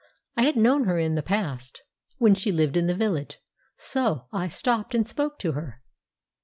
I had known her in the past, when she lived in the village; so I stopped and spoke to her.